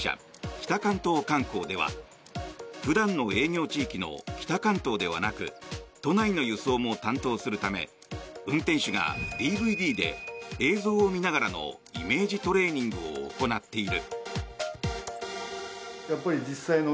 北関東観光では普段の営業地域の北関東ではなく都内の輸送も担当するため運転手がＤＶＤで映像を見ながらのイメージトレーニングを行っている。